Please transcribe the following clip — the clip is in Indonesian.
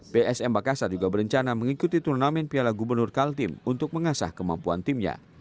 psm makassar juga berencana mengikuti turnamen piala gubernur kaltim untuk mengasah kemampuan timnya